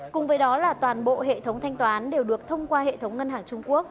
cùng với đó là toàn bộ hệ thống thanh toán đều được thông qua hệ thống ngân hàng trung quốc